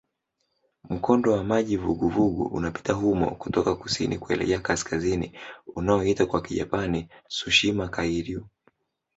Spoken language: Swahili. Mkondo wa maji vuguvugu unapita humo kutoka kusini kuelekea kaskazini unaoitwa kwa Kijapani "Tsushima-kairyū".